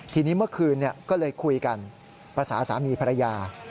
ทีนี้เมื่อคืนก็เลยคุยกันภาษาสามีภรรยา